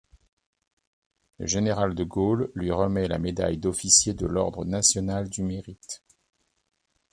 Le Général de Gaulle lui remet la médaille d’Officier de l’Ordre national du Mérite.